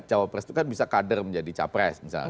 cawapres itu kan bisa kader menjadi capres misalnya